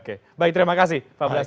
oke baik terima kasih pak brazil